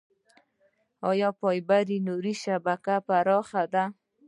آیا فایبر نوري شبکه پراخه ده؟